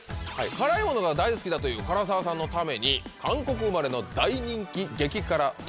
辛いものが大好きだという唐沢さんのために韓国生まれの大人気激辛鳥